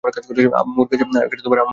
আম্মুর কাছে যাবো!